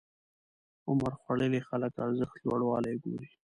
عمرخوړلي خلک ارزښت لوړوالی ګوري.